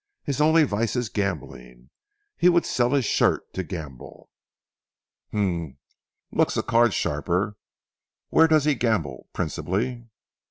His only vice is gambling. He would sell his shirt to gamble." "Humph! Looks a card sharper. Where does he gamble principally?"